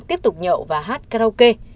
tiếp tục nhậu và hát karaoke